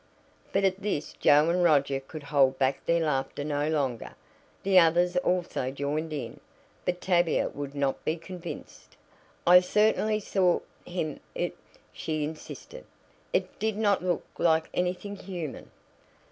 But at this Joe and Roger could hold back their laughter no longer. The others also joined in. But Tavia would not be convinced. "I certainly saw him it," she insisted. "It did not look like anything human!"